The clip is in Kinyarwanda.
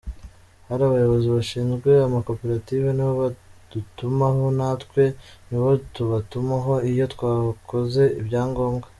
Hari abayobozi bashinzwe amakoperative nibo badutumaho natwe nibo tubatumaho iyo twakoze ibyangombwa.